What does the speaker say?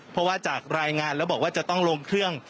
เพราะว่าจากรายงานแล้วบอกว่าจะต้องลงเครื่อง